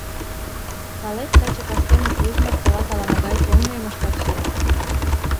Палет, таче кастене Тузмыт тылат ала-могай тёмныйым ышташ сӧрат.